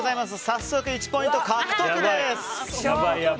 早速１ポイント獲得です。